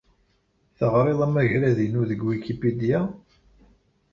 Teɣriḍ amagrad-inu deg Wikipedia?